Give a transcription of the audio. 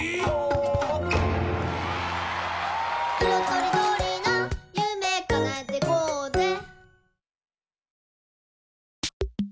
とりどりなゆめかなえてこうぜ！」